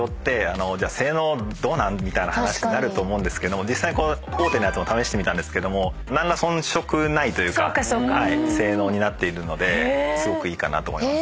みたいな話になると思うんですが実際大手のやつを試してみたんですけども何ら遜色ないというか性能になっているのですごくいいかなと思います。